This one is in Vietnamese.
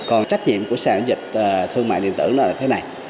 còn trách nhiệm của sản dịch thương mại điện tử là thế này